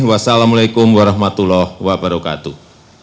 wassalamu'alaikum warahmatullahi wabarakatuh